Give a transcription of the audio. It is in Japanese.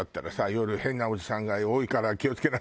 「夜変なおじさんが多いから気を付けなさい」とかね。